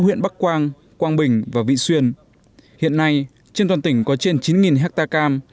huyện bắc quang quang bình và vị xuyên hiện nay trên toàn tỉnh có trên chín hectare cam